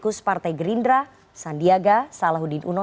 kus partai gerindra sandiaga salahuddin uno